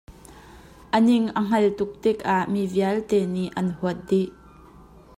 A ning a hngal tuk tikah mi vialte nih an huat dih.